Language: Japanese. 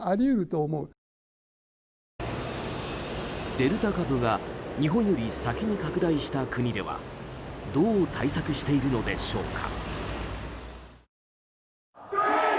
デルタ株が日本より先に拡大した国ではどう対策しているのでしょうか。